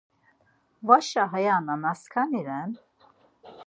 Vaşa haya nanaskani ren!